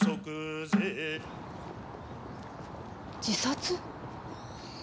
自殺？